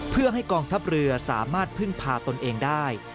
เพื่อให้กองทัพเรือสามารถพึ่งพาตนเองได้